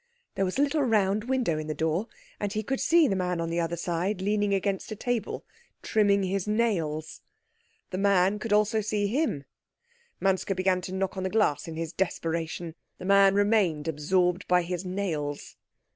There was a little round window in the door, and he could see the man on the other side leaning against a table trimming his nails. The man also could see him. Manske began to knock on the glass in his desperation. The man remained absorbed by his nails.